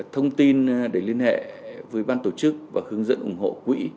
thông tin để liên hệ với ban tổ chức và hướng dẫn ủng hộ quỹ